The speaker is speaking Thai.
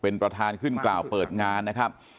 เป็นประธานขึ้นกล่าวเปิดงานนะครับ